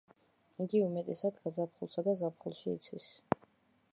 იგი უმეტესად გაზაფხულსა და ზაფხულში იცის.